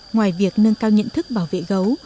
ngoài việc nâng cao nhận thức bảo vệ gấu